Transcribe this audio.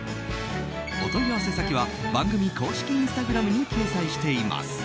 お問い合わせ先は番組公式インスタグラムに掲載しています。